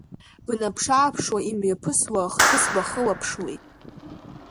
Бнаԥш-ааԥшуа имҩаԥысуа ахҭыс бахылаԥшуеит.